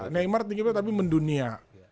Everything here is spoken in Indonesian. neymar tinggi berapa tapi mendunia